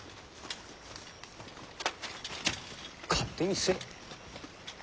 勝手にせい。